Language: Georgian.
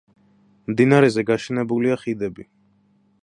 მდინარეზე გაშენებულია ხიდები.